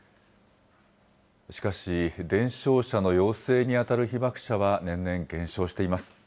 しかし、伝承者の養成に当たる被爆者は年々減少しています。